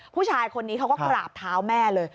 ผู้ชายคนนี้เขาก็กราบเท้าแม่เลย